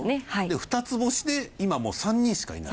で二つ星で今３人しかいない？